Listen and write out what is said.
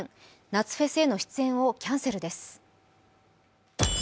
夏フェスへの出演をキャンセルです。